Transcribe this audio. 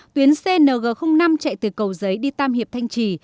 tuyến cng năm chạy từ cầu giấy đi tam hiệp thanh trì